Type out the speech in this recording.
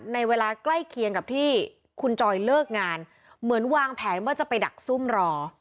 ในเวลาใกล้เคียงกับที่คุณจอยเลิกงานเหมือนวางแผนว่าจะไปดักซุ่มรอ